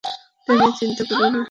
ওটা নিয়ে চিন্তা কোরো না।